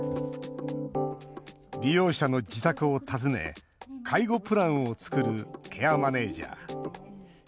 利用者の自宅を訪ね介護プランを作るケアマネージャー。